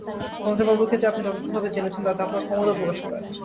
চন্দ্রবাবুকে যে আপনি যথার্থভাবে জেনেছেন তাতে আপনার ক্ষমতা প্রকাশ পায়।